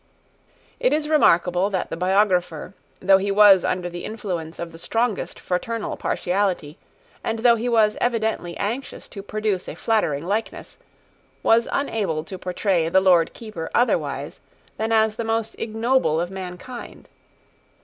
It is remarkable that the biographer, though he was under the influence of the strongest fraternal partiality, and though he was evidently anxious to produce a flattering likeness, was unable to portray the Lord Keeper otherwise than as the most ignoble of mankind.